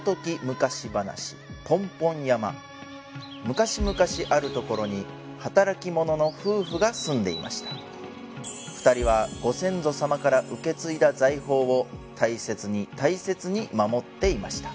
昔むかしあるところに働き者の夫婦が住んでいました２人はご先祖様から受け継いだ財宝を大切に大切に守っていました